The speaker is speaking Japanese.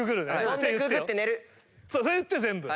それ言って全部。